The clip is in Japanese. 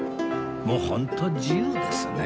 もうホント自由ですね